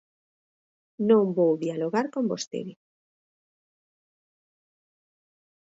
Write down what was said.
Non vou dialogar con vostede.